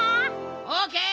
オーケー。